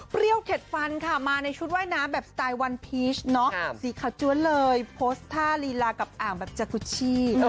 เข็ดฟันค่ะมาในชุดว่ายน้ำแบบสไตล์วันพีชเนอะสีขาวจ้วนเลยโพสต์ท่าลีลากับอ่างแบบจากุชชี่